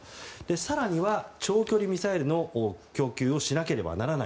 更には長距離ミサイルの共有をしなければならない。